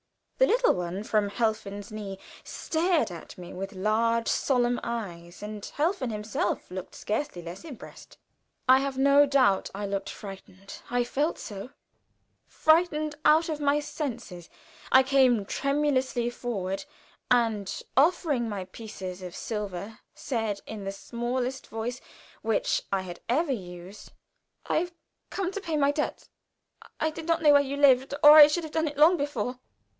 The little one, from Helfen's knee, stared at me with large, solemn eyes, and Helfen himself looked scarcely less impressed. I have no doubt I looked frightened I felt so frightened out of my senses. I came tremulously forward, and offering my pieces of silver, said, in the smallest voice which I had ever used: "I have come to pay my debt. I did not know where you lived, or I should have done it long before."